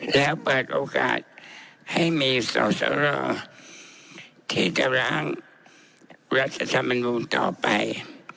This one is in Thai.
แล้วเปิดโอกาสให้มีสอสรที่จะล้างรัฐธรรมนูลต่อไป